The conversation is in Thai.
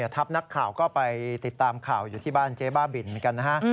ทัพนักข่าวก็ไปติดตามข่าวอยู่ที่บ้านเจ๊บ้าบินเหมือนกันนะฮะ